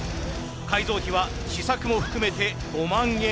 改造費は試作も含めて５万円以内です。